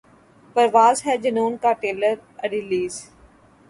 پرواز ہے جنون کا trailer release